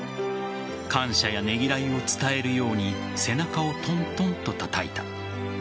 感謝やねぎらいを伝えるように背中をトントンとたたいた。